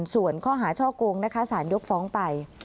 ส่วนข้อหาช่อโกงนะคะสารยกฟ้องไป